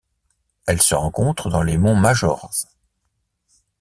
Elle se rencontre dans les monts Majors.